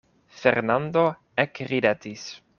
Fernando ekridetis.